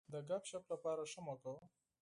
د ګپ شپ لپاره ښه موقع وه.